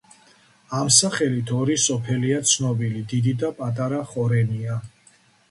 ამ სახელით ორი სოფელია ცნობილი: დიდი და პატარა ხორენია.